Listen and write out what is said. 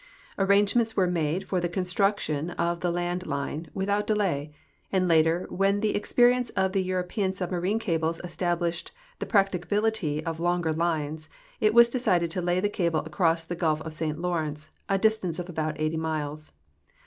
"Arrangements AA'ere made for the construction of the land line AA'ithout delay, and later, AAdien the experience of the Euro pean submarine cables established the practicability of longer lines, it Avas decided to lay the cable across the gulf of St. LaAA' rence, a distance of about eighty miles.